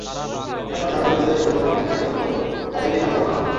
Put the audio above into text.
National সার্ভিসের প্রকল্পের মেয়াদ শেষ হওয়ার পরেও তাঁকে দিয়ে কাজ করানো হচ্ছে।